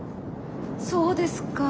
そうですか。